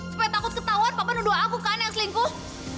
supaya takut ketahuan papan nuduh aku kan yang selingkuh